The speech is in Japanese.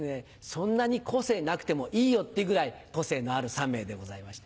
そんなに個性なくてもいいよっていうぐらい個性のある３名でございまして。